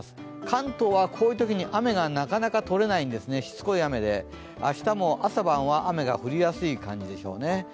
関東はこういうときに雨がなかなかとれないんですね、しつこい雨で明日も朝晩は雨が降りやすい感じでしょうね。